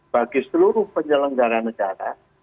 bagi seluruh penyelenggaraan negara